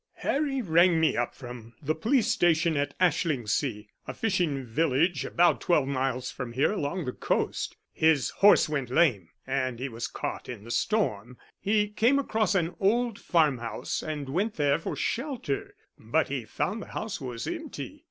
Harry rang me up from the police station at Ashlingsea a fishing village about twelve miles from here along the coast. His horse went lame and he was caught in the storm. He came across an old farm house and went there for shelter, but he found the house was empty.